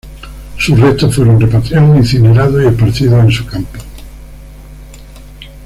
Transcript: Sus restos fueron repatriados, incinerados y esparcidos en su campo.